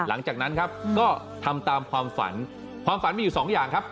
หลังจากนั้นครับก็ทำตามความฝันความฝันมีอยู่สองอย่างครับ